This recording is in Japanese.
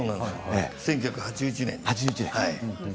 １９８１年です。